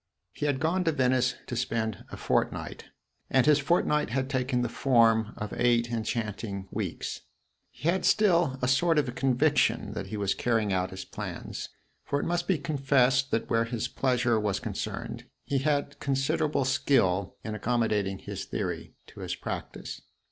He had gone to Venice to spend a fortnight, and his fortnight had taken the form of eight enchanting weeks. He had still a sort of conviction that he was carrying out his plans; for it must be confessed that where his pleasure was concerned he had considerable skill in accommodating his theory to his practice.